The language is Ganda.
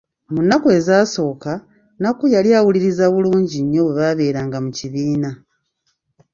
Mu nnaku ezasooka, Nnakku yali awuliriza bulungi nnyo bwe baabeeranga mu kibiina.